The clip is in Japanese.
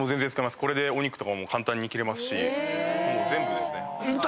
お肉とかも簡単に切れますし全部ですね。